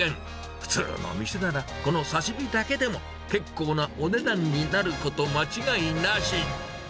普通の店なら、この刺身だけでも結構なお値段になること間違いなし。